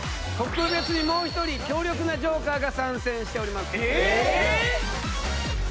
特別にもう一人強力なジョーカーが参戦しておりますえっ？